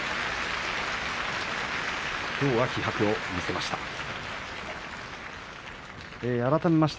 きょうは気迫を見せました。